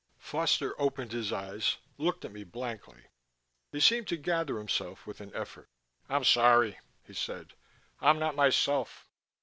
Foster opened his eyes, looked at me blankly. He seemed to gather himself with an effort. "I'm sorry," he said. "I'm not myself."